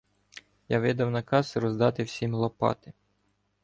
Я видав наказ роздати всім лопати.